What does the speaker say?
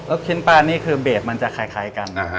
ชิ้นปลานี่คือเบสมันจะคล้ายกัน